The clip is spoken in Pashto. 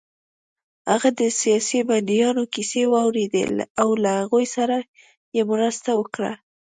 هغه د سیاسي بندیانو کیسې واورېدې او له هغوی سره يې مرسته وکړه